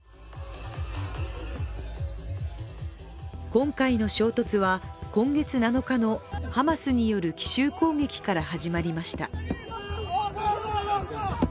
今回の衝突は今月７日のハマスによる奇襲攻撃から始まりました。